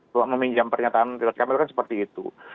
kalau meminjam pernyataan ridwan kamil kan seperti itu